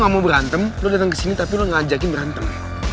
lo gak mau berantem lo dateng kesini tapi lo ngajakin berantem